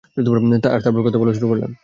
আর তারপর কথা বলা শুরু করলেন।